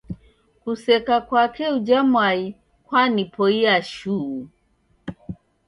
Kuseka kwake uja mwai kwanipoia shuu